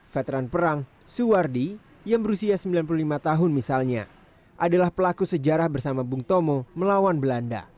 veteran perang suwardi yang berusia sembilan puluh lima tahun misalnya adalah pelaku sejarah bersama bung tomo melawan belanda